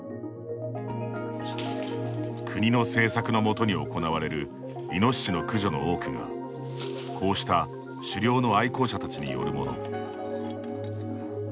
国の政策のもとに行われるイノシシの駆除の多くがこうした狩猟の愛好者たちによるもの。